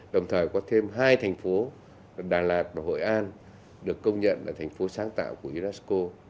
đồng thời có thêm hai thành phố đà lạt và hội an được công nhận là thành phố sáng tạo của unesco